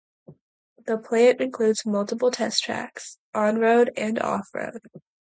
The plant includes multiple test tracks, on road and off-road.